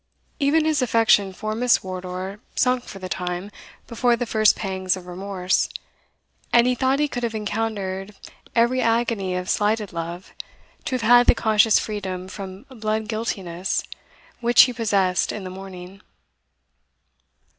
Even his affection for Miss Wardour sunk for the time before the first pangs of remorse, and he thought he could have encountered every agony of slighted love to have had the conscious freedom from blood guiltiness which he possessed in the morning.